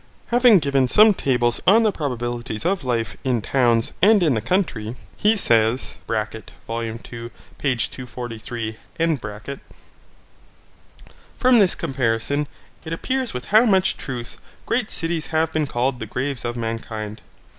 Having given some tables on the probabilities of life, in towns and in the country, he says (Vol. II, p. 243): From this comparison, it appears with how much truth great cities have been called the graves of mankind.